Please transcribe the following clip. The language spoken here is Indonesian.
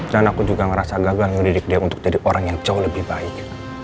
dan aku juga ngerasa gagal ngelidik dia untuk jadi orang yang jauh lebih baik